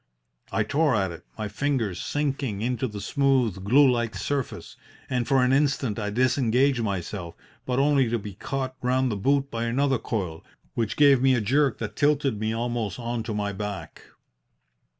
I tore at it, my fingers sinking into the smooth, glue like surface, and for an instant I disengaged myself, but only to be caught round the boot by another coil, which gave me a jerk that tilted me almost on to my back.